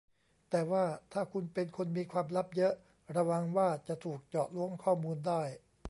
แต่ว่าถ้าคุณเป็นคนมีความลับเยอะระวังว่าจะถูกเจาะล้วงข้อมูลได้